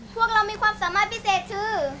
พวกเรามีความสามารถพิเศษคือ